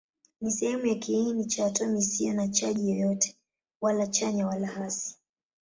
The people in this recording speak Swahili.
Ni sehemu ya kiini cha atomi isiyo na chaji yoyote, wala chanya wala hasi.